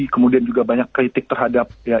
kemudian juga banyak kritik terhadap ya